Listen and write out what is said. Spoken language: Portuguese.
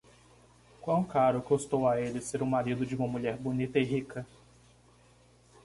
Quão caro custou a ele ser o marido de uma mulher bonita e rica!